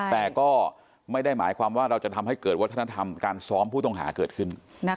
แต่ก็ไม่ได้หมายความว่าเราจะทำให้เกิดวัฒนธรรมการซ้อมผู้ต้องหาเกิดขึ้น